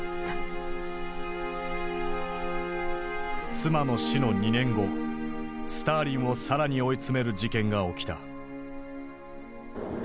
妻の死の２年後スターリンを更に追い詰める事件が起きた。